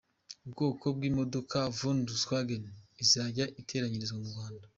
Ubwoko bw’imodoka Volkswagen izajya iteranyiriza mu Rwanda